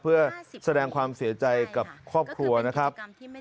เพื่อแสดงความเสียใจกับครอบครัวนะครับ